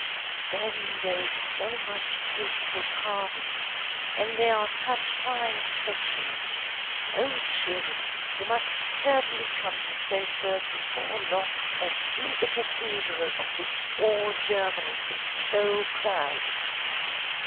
"Then there is so much beautiful carving! And there are such fine statues. Oh, children, you must certainly come to Strasburg before long and see the cathedral of which all Germany is so proud."